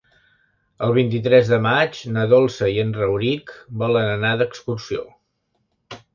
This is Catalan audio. El vint-i-tres de maig na Dolça i en Rauric volen anar d'excursió.